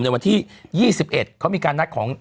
ในวันที่๒๑เขามีการนัดของ